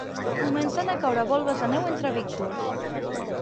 Comencen a caure volves de neu entre víctors.